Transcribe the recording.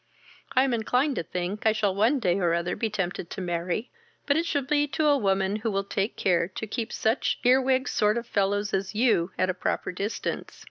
I am inclined to think I shall one day or other be tempted to marry, but it shall be to a woman who will take care to keep such ear wig sort of fellows as you at a proper distance.